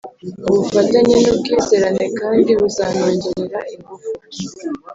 ubufatanye n'ubwizerane kandi buzanongerera ingufu